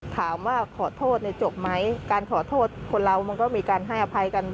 ถามว่าขอโทษจบไหมการขอโทษคนเรามันก็มีการให้อภัยกัน